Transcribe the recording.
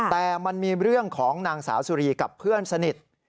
แต่มันมีเรื่องของนางสาวสุรีกับเพื่อนสนิท